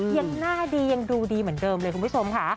ยังหน้าดียังดูดีเหมือนเดิมเลยคุณผู้ชมค่ะ